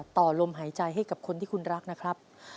ต่อลมหายใจให้กับคนที่คุณรักนะครับ